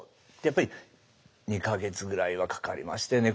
やっぱり２か月ぐらいはかかりましたよね。